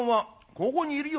「ここにいるよ。